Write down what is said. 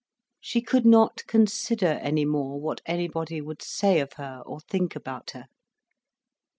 She could not consider any more, what anybody would say of her or think about her.